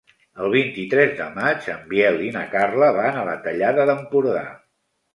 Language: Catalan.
El vint-i-tres de maig en Biel i na Carla van a la Tallada d'Empordà.